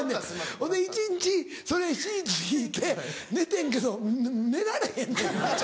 ほんで一日それシーツ敷いて寝てんけど寝られへんねん。